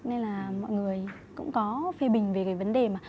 nên là mọi người cũng có phê bình về cái vấn đề mà